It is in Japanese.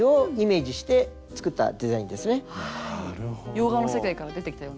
洋画の世界から出てきたような。